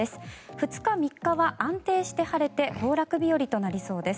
２日、３日は安定して晴れて行楽日和となりそうです。